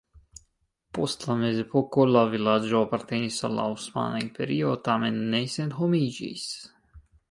Post la mezepoko la vilaĝo apartenis al la Osmana Imperio, tamen ne senhomiĝis.